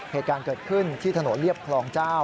เหตุการณ์เกิดขึ้นที่ถนนเรียบคลองเจ้า